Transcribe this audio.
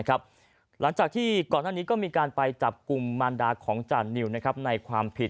ก่อนหน้านี้คุณซูอาจะมีการไปจับกุมมานดากของจ่านนิว